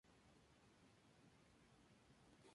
En España en Cádiz, Huelva, Málaga y Sevilla.